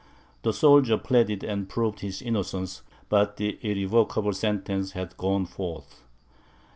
The soldier pleaded and proved his innocence, but the irrevocable sentence had gone forth.